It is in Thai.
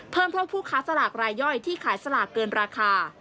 เท่าผู้ค้าสลากรายย่อยที่ขายสลากเกินราคา